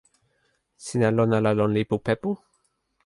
sina lon ala lon lipu Pepu?